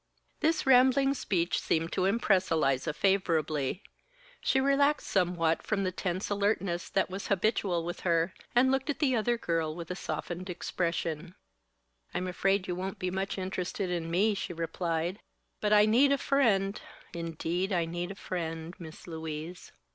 This rambling speech seemed to impress Eliza favorably. She relaxed somewhat from the tense alertness that was habitual with her, and looked at the other girl with a softened expression. "I'm afraid you won't be much interested in me," she replied, "but I need a friend indeed I need a friend, Miss Louise!"